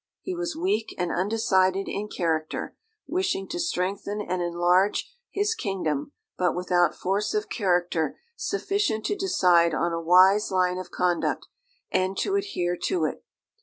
He was weak and undecided in character, wishing to strengthen and enlarge his kingdom, but without force of character sufficient to decide on a wise line of conduct and to adhere to it.